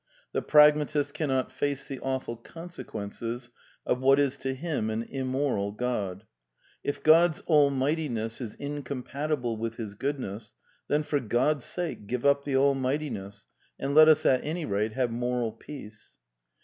The pragmatist cannot face the awful consequences of what is to him an immoral God. If God's All mightiness is incompatible with his Goodness, then for God's sake give up the All mightiness and let us, at any rate, have moral peace.